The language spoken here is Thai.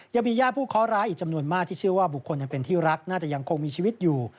ยังมีญาติผู้เคาะร้ายอีกจำนวนมากที่เชื่อว่าบุคคลยังเป็นที่รักน่าจะยังคงมีชีวิตอยู่